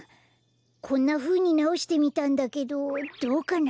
こんなふうになおしてみたんだけどどうかな？